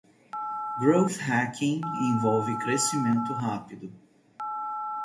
Growth Hacking envolve crescimento rápido.